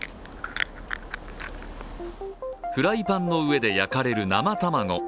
フライパンの上で焼かれる生卵。